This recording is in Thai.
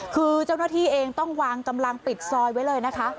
คือเจ้าหน้าที่เองต้องวางกำลังปิดซอยไว้เลยนะคะ